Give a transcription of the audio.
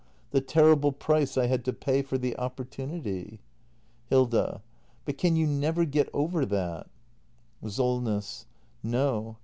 The terrible price I had to pay for the opportunity! Hilda. But can you never get over that ? SOLNESS. No.